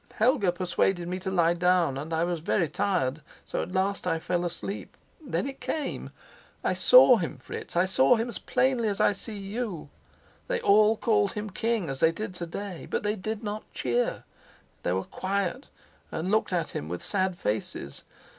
Helga persuaded me to lie down, and I was very tired, so at last I fell asleep. Then it came. I saw him, Fritz I saw him as plainly as I see you. They all called him king, as they did to day; but they did not cheer. They were quiet, and looked at him with sad faces.